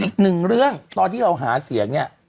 อีกหนึ่งเรื่องตอนที่เราหาเสียงเนี่ย